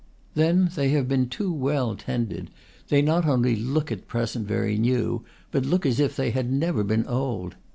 Then they have been too well tended; they not only look at present very new, but look as if they had never been old.